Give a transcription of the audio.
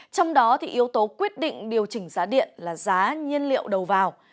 trong đó yếu tố quyết định điều chỉnh giá điện là giá nhiên liệu đầu vào